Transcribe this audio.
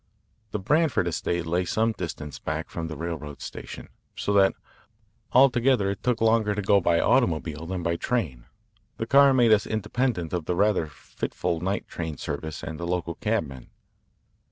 The Branford estate lay some distance back from the railroad station, so that, although it took longer to go by automobile than by train, the car made us independent of the rather fitful night train service and the local cabmen.